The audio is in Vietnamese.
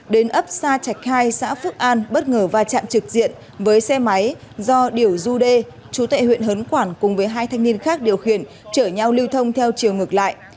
đến ấp xa trạch khai xã phước an bất ngờ va chạm trực diện với xe máy do điểu du đê chú tệ huyện hớn quản cùng với hai thanh niên khác điều khiển chở nhau lưu thông theo chiều ngược lại